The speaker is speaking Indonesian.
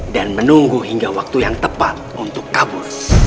dan menunggu hingga waktu yang tepat untuk kabur